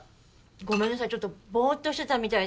ごめんなさいちょっとぼーっとしてたみたい。